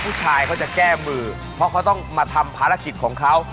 ผู้ชายเขาจะแก้มือเพราะเขาต้องมาทำภารกิจของเขา